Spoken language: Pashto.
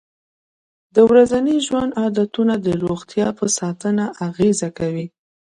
د ورځني ژوند عادتونه د روغتیا په ساتنه اغېزه کوي.